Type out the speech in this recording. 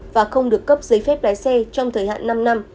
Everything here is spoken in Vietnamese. và không được cấp giấy phép lái xe trong thời hạn năm năm